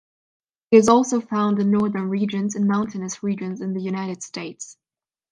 It is also found in northern regions and mountainous regions in the United States.